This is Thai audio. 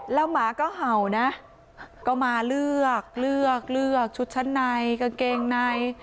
แล้วหมาก็เห่านะก็มาเลือกเลือกเลือกชุดชั้นในกางเกงใน